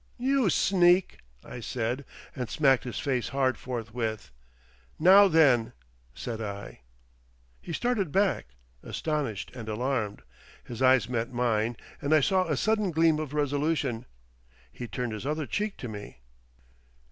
"You sneak!" I said, and smacked his face hard forthwith. "Now then," said I. He started back, astonished and alarmed. His eyes met mine, and I saw a sudden gleam of resolution. He turned his other cheek to me.